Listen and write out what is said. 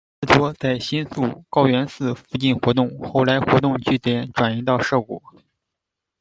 成团之初在新宿、高圆寺附近活动，后来活动据点转移到涉谷。